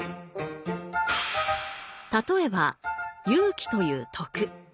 例えば「勇気」という徳。